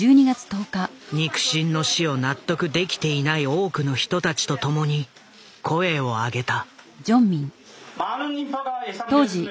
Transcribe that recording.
肉親の死を納得できていない多くの人たちと共に声を上げた。